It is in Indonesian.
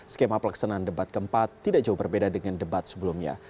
skema pelaksanaan debat keempat tidak jauh berbeda dengan debat sebelumnya